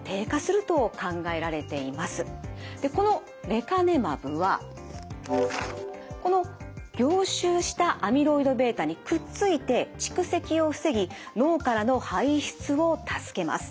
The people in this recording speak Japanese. このレカネマブはこの凝集したアミロイドβにくっついて蓄積を防ぎ脳からの排出を助けます。